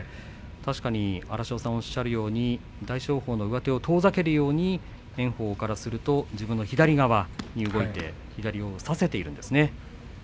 確かに荒汐さんおっしゃるように大翔鵬が上手を遠ざけるように炎鵬からすると、自分の左側左を差せているんですね。